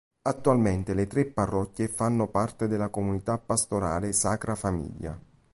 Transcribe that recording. Attualmente le tre parrocchie fanno parte della Comunità Pastorale "Sacra Famiglia".